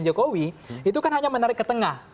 jokowi itu kan hanya menarik ke tengah